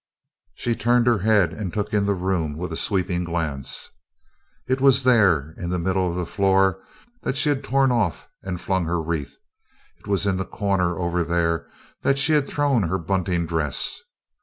She turned her head and took in the room with a sweeping glance. It was there, in the middle of the floor, that she had torn off and flung her wreath; it was in the corner over there that she had thrown her bunting dress.